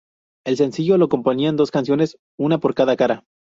El sencillo lo componían dos canciones, una por cada cara.